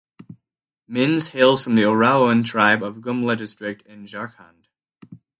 Minz hails from Oraon tribe of Gumla district in Jharkhand.